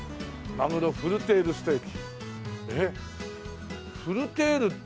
まぐろフルテールステーキ。